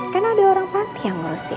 karena ada orang panti yang ngurusin